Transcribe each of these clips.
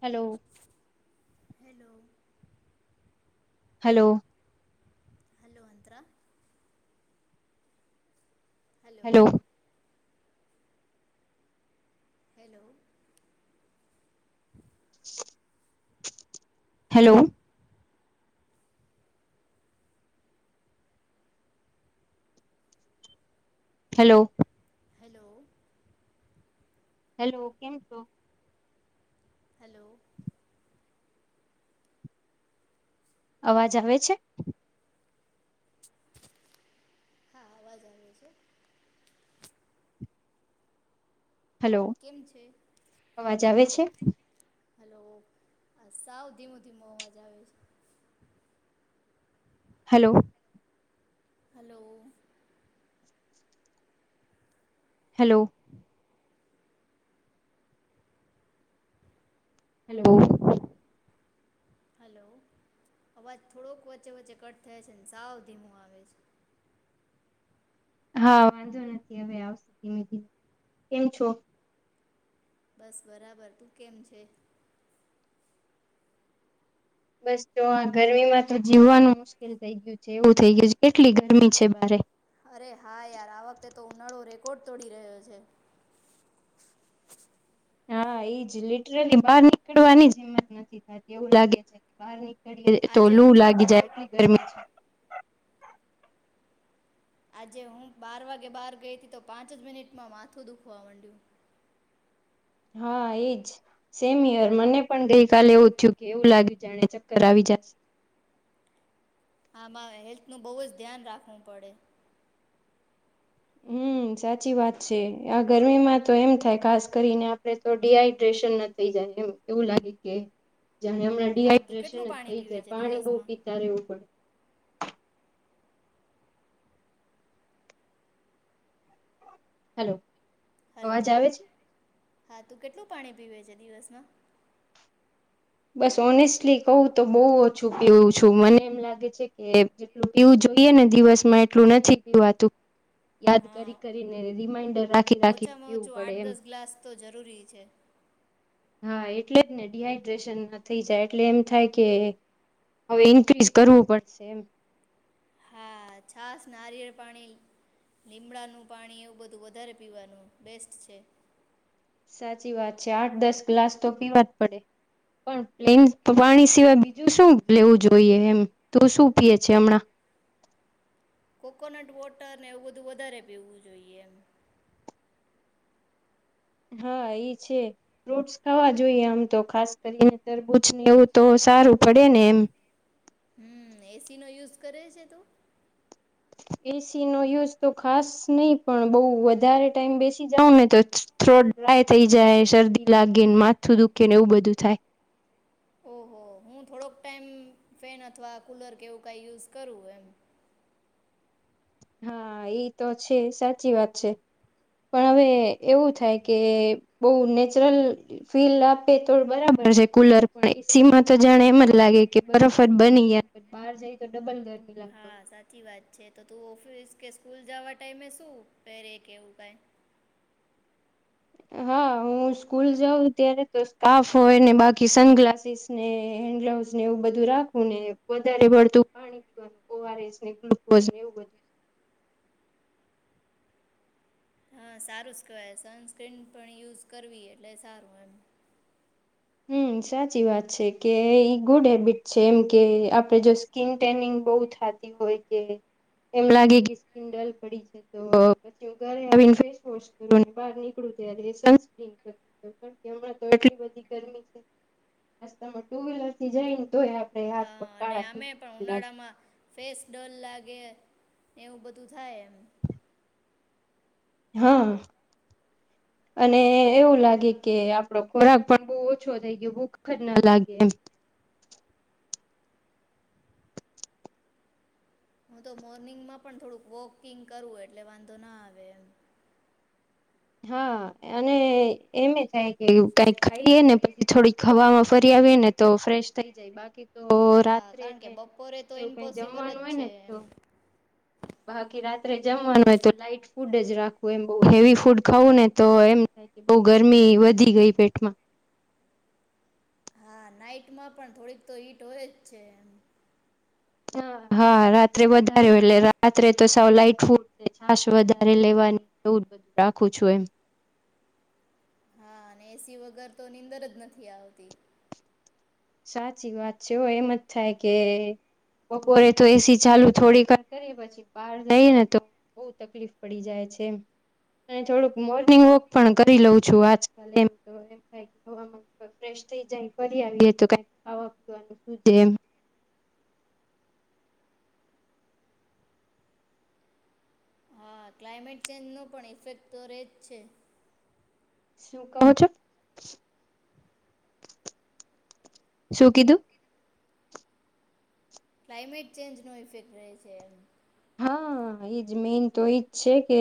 Hello hello hello hello Antara hello hello [inaudible] hello hello hello hello કેમ છો? Hello અવાજ આવે છે? હા અવાજ આવે છે. હલો કેમ છે અવાજ આવે છે? હલો આ સાવ ધીમું ધીમો અવાજ આવે છે. Hello hello hello. Hello. Hello અવાજ થોડોક વચ્ચે વચ્ચે કટ થયા છે, ને સાવ ધીમું આવે છે. હા વાંધો નથી હવે આવશે ધીમે ધીમે, કેમ છો? બસ બરાબર તું કેમ છે? બસ જો આ ગરમી માં તો જીવવાનું મુશ્કિલ થઈ ગયું છે એવું થઇ ગયું છે, કેટલી ગરમી છે બારે. અરે હા યાર આ વખતે તો ઉનાળો રેકોર્ડ તોડી રહ્યો છે. હા ઈજ લિટરલી બહાર નીકળવાની જ હિંમત નથી થાતી એવું લાગે છે બાર ની નીકળીએ તો આજે હું લું પણ લાગી બપોર જાય. [unintelligible] ગરમીથી આજે હું બાર વાગે બાર ગઈ હતી તો પાંચ જ મિનિટમાં માથું દુખવા મંડ્યું. હા એજ સેમ યર મને પણ ગઈ કાલે એવું થયું કે એવું લાગ્યું જાણે ચક્કર આવી જાશે. આમાં હેલ્થ નું બહુ જ ધ્યાન રાખવું પડે. હમ્મ સાચી વાત છે. આ ગરમીમાં તો એમ થાય ખાસ કરીને આપડે તો ડીહાઈડ્રેશન ના થઈ જાય એમ એવું લાગે કે જાને હમના હા તું ડીહાઈડ્રેશન કેટલું જ પાણી થઈ પીવે જાય છે પાણી બહુ દિવસમાં પીતા રહેવું પડે. હેલો. હલો અવાજ આવે છે? હા તું કેટલું પાણી પીવે છે દિવસમાં? બસ ઓનેસ્ટલી કહું તો બહુ ઓછું પીવું છું. મને એમ લાગે છે કે જેટલું પીવું જોઈએ ને દિવસમાં એટલું નથી પીવાતું. યાદ હા કરી કરીને રી રિમાઈન્ડર રાખી રાખીને ઓછામાં પીવું ઓછું પડે આઠ એમ. દસ ગ્લાસ તો જરૂરી છે હા એટલે જ ને ડડીહાઈડ્રેશન ના થઈ જાય એટલે એમ થાય કે હવે ઇન્ક્રીઝ કરવું પડશે એમ હા છાસ, નારિયેળ પાણી, લીમડાનું પાણી એવું બધું વધારે પીવાનું બેસ્ટ છે. સાચી વાત છે. આઠ દસ ગ્લાસ તો પીવા જ પડે. પણ, પ્લેન પાણી સિવાય બીજું શું લેવું જોઈએ એમ, તૂ શું પીએ છે હમણાં? કોકોનટ વોટર ને એવું બધું વધારે પીવું જોઈએ એમ. હા એ છે, ફ્રૂટ્સ ખાવા જોએ આમ તો ખાસ કરીને તરબૂજ ને એવું તો સારું પડે ને એમ. હમ્મ, એ સી નો યુઝ કરે છે તું? એ સી ઓહો, હું થોડોક ટાઈમ ફેન અથવા કુલર કે એવું કાય યુઝ કરું એમ. હા, ઈ તો છે. સાચી વાત છે. પણ, હવે એવું થાય કે બોવ નેચરલ ફીલ આપે તો બરાબર છે કુલર. પણ, એ સી માં તો જાણે એમ જ લાગે કે બરફ જ બની ગ્યા, પત બાર જાય તો ડબલ ગરમી લા હા, સાચી વાત છે. તો તું ઓફિસ કે સ્કૂલ જાવા ટાઈમે શું પેરે કે એવું કાય? હા, હું સ્કૂલ જાઉં ત્યારે તો સ્કાફ હોય ને બાકી સન ગ્લાસીસ ને હેન્ડ ગ્લવસ ને એવું બધું રાખું ને વધારે પળતું પાણી પીવાનું ઓ આર એસ ને ગ્લુકોઝ ને એવું બધું. હા, સારું ઝ કેવાય સનસ્ક્રીન પણ યુઝ કરવી એટલે સારું એમ. હમ્મ, સાચી વાત છે કે ઈ ગુડ હેબિટ છે. એમ કે આપડે જો સ્કીન ટેનિંગ બોવ થાતી હોય કે એમ લાગે કે સ્કીન ડલ પડી છે. તો પછી હૂં ઘરે આવીને ફેસવોશ કરું ને બહાર નીકળું ત્યારે સનસ્કિન કરૂ. [inaudible] હમણાં તો એટલી બધી ગરમી છે. રસ્તામાં ટુ વ્હીલર થી જાય ને તોય આ હા, અને આમે પણ ઉનાળામાં ફેસ ડલ લાગે. એવું બધું થાય એમ. હા, અને એવું લાગે કે આપડો ખોરાક પણ બોવ ઓછો થઈ ગ્યો. ભૂખ જ ન લાગે એમ. હું તો મોર્નિંગમાં પણ થોડુંક વોકિંગ કરૂ એટલે વાંધો ના આવે એમ. હા, અને એમે થાય કે વું કાયક ખાઈએ ને પછી થોડીક હવામાં ફરી આવીએ ને તો ફ્રેશ થઈ જાય. બાકી તો હા કારણ કે રાત્રેને બપોરે તો એવું કાય ઇમ્પોસિબલ જમવાનું જ હોય ને છે તો એમ બાકી રાત્રે જમવાનું હોય તો લાઈટ ફૂડ જ રાખુ એમ બોવ હેવી ફૂડ ખાઉ ને તો એમ થાય કે બોવ ગરમી વધી ગઈ પેટમાં. હા, નાઈટમાં પણ થોડીક તો હીટ હોય જ છે એમ. હા, હા રાત્રે વધારે હોય એટલે રાત્રે તો સાવ લાઈટ ફૂડ ને છાસ વધારે લેવાની એવું બધું રાખું છું એમ. હા, અને એ સી વગર તો નીંદર જ નથી આવતી. સાચી વાત છે હો. એમ જ થાય કે બપોરે તો એ સી ચાલુ થોડીક વાર કરીએ પછી બાર જાયે ને તો બોવ તકલીફ પડી જાય છે એમ. અને થોડુંક મોર્નિંગ વોક પણ કરી લઉં છું આજકાલ એમ, તો [unintelligible] ફ્રેશ થઈ જાય ફરી અને તો કાંઈક ખાવા પીવાનું સુજે એમ. હા, ક્લાઇમેટ ચેન્જ નો પણ ઇફેક્ટ તો રે જ છે. શું કહો છો? શું કીધું? ક્લાઇમેટ ચેન્જ નો ઇફેક્ટ રહે છે એમ. હા, ઈ જ મેન તો ઈ જ છે કે,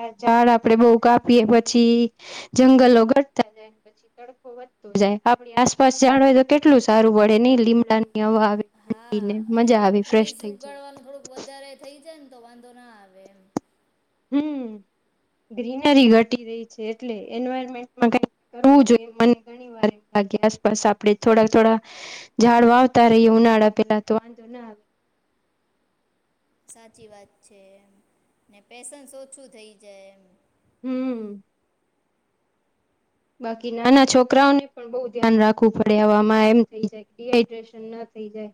આ ઝાડ આપડે બોવ કાપીએ પછી જંગલો ઘટતા જાય, પછી તડકો વધતો જાય. આપણી આસપાસ ઝાડ હોય તો કેટલું સારું પડે, નય? લીમડા ની હવા આવે ઠંડી હા ને. અને મજા આવી ફ્રેશ ટ્રીઝ થઈ જાય. ઉગાડવાનું થોડુંક વધારે થઈ જાય ને તો વાંધો ના આવે એમ. હમ્મ, ગ્રીનરી ઘટી રહી છે. એટલે એન્વારમેન્ટમાં કાઈક કરવું જોઈએ મને ઘણી વાર એમ લાગે આસપાસ આપણે થોડા થોડા ઝાડ વાવતા રહીએ ઉનાળા પેલા તો વાંધો ના આવે. સાચી વાત છે એમ. ને પેસન્સ ઓછું થઈ જાય એમ. હમ્મ. બાકી નાના છોકરાઓને પણ બોવ ધ્યાન રાખવું પડે આવામાં એમ થઈ જાય ડીહાઈડ્રેશન ના થઈ જાય.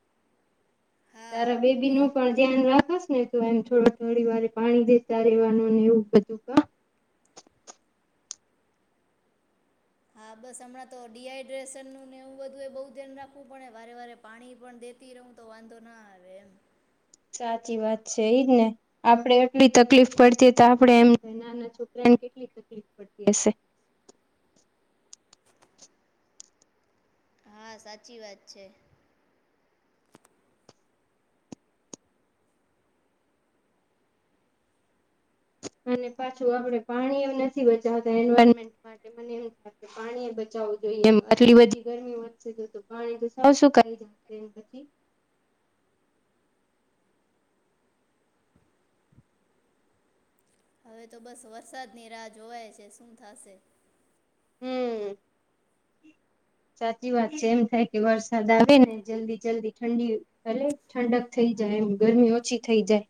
હા તારા એ બેબીનું લોકો પણ ધ્યાન રાખસ ને? તું એને થોડું થોડી વારે પાણી દેતા રેવાનું ને એવું બધું કર? હા, બસ હમણાં તો ડી હાઈડ્રેશનનું ને એવું બધું એ બોવ ધ્યાન રાખવું પડે, વારે વારે પાણી પણ દેતી રહું તો વાંધો ના આવે એમ. સાચી વાત છે ઈજ ને. આપડે એટલી તકલીફ પડતી તો આપડે એમ થાય નાના છોકરા એન કેટલી તકલીફ પડતી હશે. હા, સાચી વાત છે. અને પાછું આપણે પાણી એમ નથી બચાવતા એન્વારમેન્ટ માટે મને એમ થાય કે પાણી એ બચાવવું જોઈએ એમ આટલી બધી ગરમી વધશે તો તો પાણી તો સાવ સુુંકાઈ જાશે એમ પછી? હવે તો બસ વરસાદની રાહ જોવાય છે, શું થાશે. હમ્મ, સાચી વાત છે. એમ થાય કે વરસાદ આવે ને જલ્દી-જલ્દી ઠંડી એટલે ઠંડક થઈ જાય એમ ગરમી ઓછી થઈ જાય.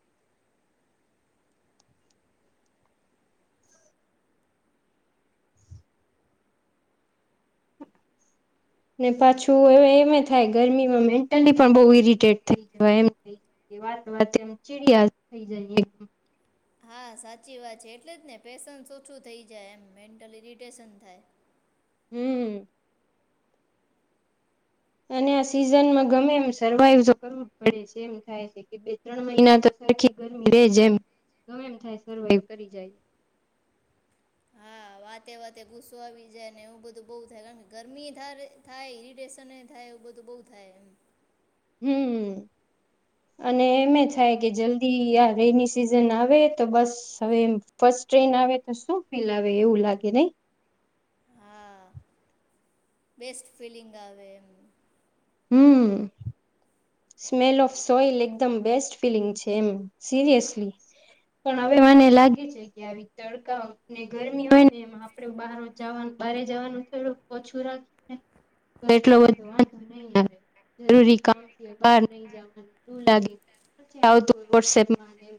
ને પાછું એ એમે થાય ગરમીમાં મેન્ટલી પણ બોવ ઈરિટેટ થઈ જવાય એમ થાય કે વાત વાતે એમ ચીડીયા થઈ જાય એકદમ. હા, સાચી વાત છે. એટલે જ ને પેસન્સ ઓછું થઈ જાય એમ, મેન્ટલ ઇરિટેશન થાય. હમ અને આ સિઝનમાં ગમે એમ સર્વાઈવ તો કરવું જ પડે છે એમ થાય છે કે બે ત્રણ મહિના તો સરખી ગરમી રે જેમ ગમે એમ થાય સર્વાઈવ કરી જાય હા વાતે વાતે ગુસ્સો આવી જાય ને એવું બધું બઉ થાય કારણ કે ગરમી થાય થાય ઈરિટેશન થાય એવું બધું બઉ થાય એમ. હમ અને એમ થાય કે જલ્દી આ રેની સિઝન આવે તો બસ હવે ફસ્ટ ટ્રેન આવે તો શું ફીલ આવે એવું લાગે નહી? હા બેસ્ટ ફિલિંગ આવે એમ. હમ સ્મેલ ઓફ સોઈલ એકદમ બેસ્ટ ફિલિંગ છે એમ સિરિયસલી પણ હવે મને લાગે છે કે આવી તડકાને ગરમી હોય ને એમાં આપડ બાર જવાનું બારે જવાનું થોડુંક ઓછું રાખી એટલો બ વાંધો નહી આવે [unintelligible] બાર નહી જવાનું લાગે આવતું હોય વોટસપમાં [inaudible]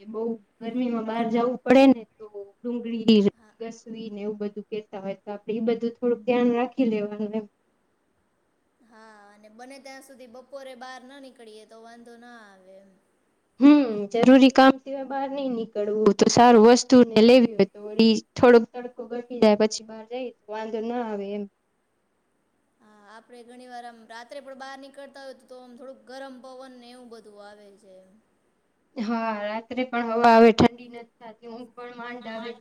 એ બહ ગરમીમાં બહાર હા જવું પડે ને તો ડુંગળી હા ઘસવીને એવું બધું કેતા હોય તો આપડે એ બધું થોડુંક ધ્યાન રાખી લેવાનું એમ. હા અને બને ત્યાં સુધી બપોરે બહાર ના નીકળીએ તો વાંધો ના આવે એમ. હમ જરૂરી કામ સિવાય બહાર નઈ નીકળવું તો સારું વસ્તુ ને લેવી હોય તો વળી થોડોક તડકો ઘટી જાય પછી બહાર જઈએ તો વાંધોના આવે એમ. હા આપડે ઘણી વાર આમ રાત્રે પણ બહાર નીકળતા હોય તો તો આમ થોડુંક ગરમ પવન ને એવું બધું આવે છે. હા રાત્રે પણ હવા આવે ઠંડી નથી થાતી હો. પણ માંડ આવેે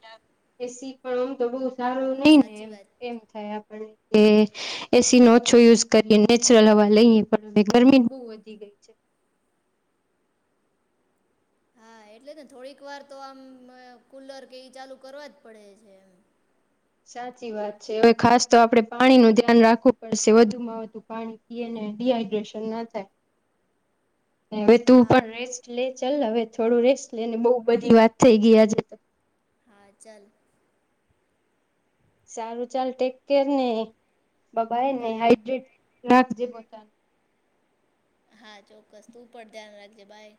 એ સી. પણ આમ તો બહુ સારું હા નઈ ને સાચી એમ વાત એમ થાય આપડને કે એ સી નો ઓછો યુઝ કરીએ નેચરલ હવા લઈએ પણ હવે ગરમી બહુ વધી ગઈ છે. હા એટલે ને થોડીક વાર તો આમ કુલર કે એ ચાલુ કરવા જ પડે છે. સાચી વાત છે હવે ખાસ તો આપડે પાણી નું ધ્યાન રાખવું પડશે વધુમાં વધુ પાણી પીને ડીહાઈડ્રેશન ના થાય હવે તું હા પણ રેસ્ટ લે ચલ હવે થોડું રેસ્ટ લેને બહુ બધી વાત થઈ ગઈ આજે તો. હા ચાલ. સારું ચાલ ટેક કેર ને. બબા ને બાય હાડ્રેડ નાખજે [inaudible] તા હા ચોક્કસ તું પણ ધ્યાન રાખજે બાય.